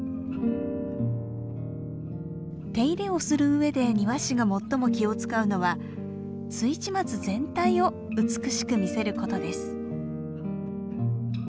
手入れをする上で庭師が最も気を使うのは築地松全体を美しく見せることです。